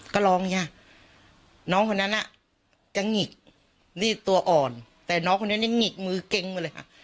ก็ร้องจ้ะน้องคนนั้นน่ะจะหงิกนี่ตัวอ่อนแต่น้องคนนี้นี่หงิกมือเก๊งมาเลยค่ะ